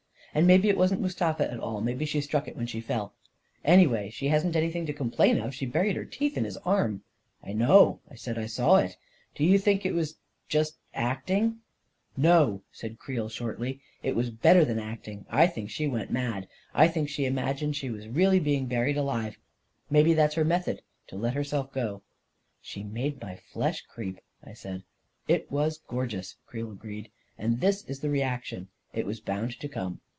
And maybe it wasn't Mustafa at all — maybe she struck it when she fell. Anyway, she hasn't anything to complain of — she buried her teeth in his arm." 44 1 know," I said. 44 1 saw it. Do you think— it was — just acting? " ic No," said Creel shortly. 4< It was better than acting. I think she went mad — I think she imag ined she was really being buried alive ; maybe that's her method — to let herself go." 44 She made my flesh creep 1 " I said. 44 It was gorgeous," Creel agreed; 44 and this is the reaction. It was bound to come."